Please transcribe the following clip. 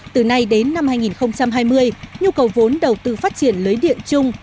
từ nay đến năm hai nghìn hai mươi nhu cầu vốn đầu tư phát triển lưới điện chung